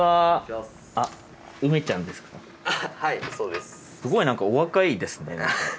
すごい何かお若いですね。